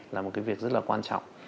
là một cái việc rất là quan trọng